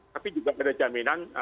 tapi juga ada jaminan